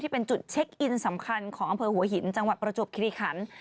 เป็นจุดเช็คอินสำคัญของอำเภอหัวหินจังหวัดประจวบคิริขัน